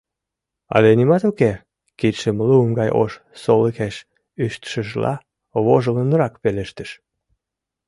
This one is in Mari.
— Але нимат уке, — кидшым лум гай ош солыкеш ӱштшыжла, вожылынрак пелештыш.